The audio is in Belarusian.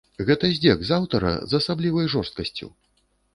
Гэта здзек з аўтара з асаблівай жорсткасцю.